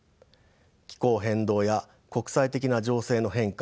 気候変動や国際的な情勢の変化